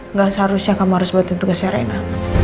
nggak seharusnya kamu harus bantu tugasnya rina